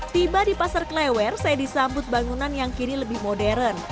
tiba di pasar klewer saya disambut bangunan yang kini lebih modern